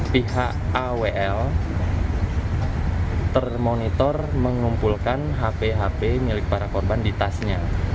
pihak awl termonitor mengumpulkan hp hp milik para korban di tasnya